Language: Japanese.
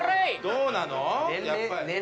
どうなの？